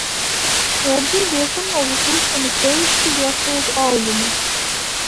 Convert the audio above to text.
Redzēju diezgan novītušu, ne sevišķi graciozu augumu.